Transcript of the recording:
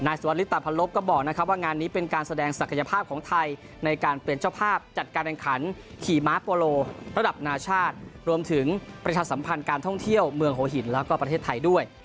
สวัสดิตาพันลบก็บอกนะครับว่างานนี้เป็นการแสดงศักยภาพของไทยในการเป็นเจ้าภาพจัดการแข่งขันขี่ม้าโปโลระดับนาชาติรวมถึงประชาสัมพันธ์การท่องเที่ยวเมืองหัวหินแล้วก็ประเทศไทยด้วย